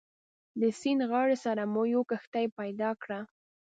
د سیند غاړې سره مو یوه کښتۍ پیدا کړه.